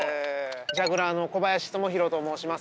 ジャグラーの小林智裕と申します。